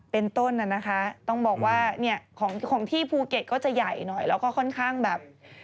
เป็นต้นน่ะนะคะต้องบอกว่าเนี่ยของที่ภูเก็ตก็จะใหญ่หน่อยแล้วก็ค่อนข้างแบบ